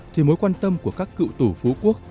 thì mối quan tâm của các cựu tù phú quốc